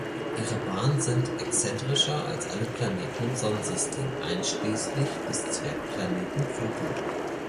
Ihre Bahnen sind exzentrischer als aller Planeten im Sonnensystem einschließlich des Zwergplaneten Pluto.